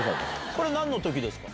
これ何の時ですか？